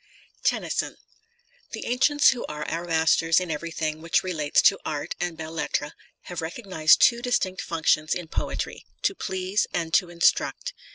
TENNYSON* THE ancients who are our masters in everything which relates to Art and Belles Lettres have recognised two distinct functions in poetry — ^to please and to instruct.